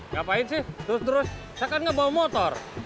ngapain sih terus terus saya kan ngebawa motor